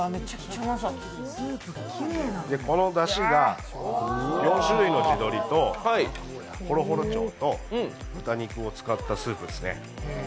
このだしが４種類の地鶏とホロホロ鳥と豚肉を使ったスープですね。